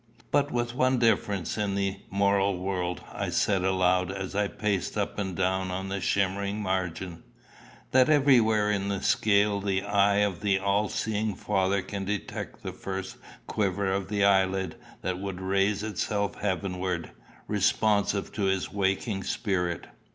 "But with one difference in the moral world," I said aloud, as I paced up and down on the shimmering margin, "that everywhere in the scale the eye of the all seeing Father can detect the first quiver of the eyelid that would raise itself heavenward, responsive to his waking spirit."